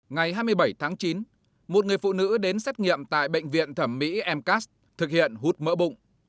ngày hai mươi bảy tháng chín một người phụ nữ đến xét nghiệm tại bệnh viện thẩm mỹ mcas thực hiện hút mỡ bụng